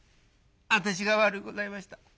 私が悪うございました。